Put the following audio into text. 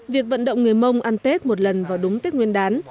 việc vận động người mông ăn tết một lần vào đúng tết nguyên đán